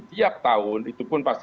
tiap tahun itu pun pasti